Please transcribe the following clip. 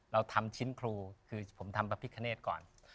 เราทำชิ้นครูคือผมทำพระพิคเนธก่อน